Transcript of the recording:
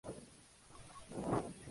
Capilla San Antonio.